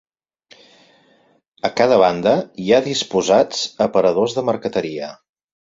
A cada banda hi ha disposats aparadors de marqueteria.